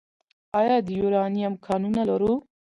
آیا د یورانیم کانونه لرو؟